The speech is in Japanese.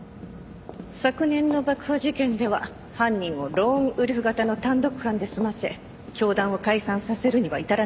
昨年の爆破事件では犯人をローンウルフ型の単独犯で済ませ教団を解散させるには至らなかった。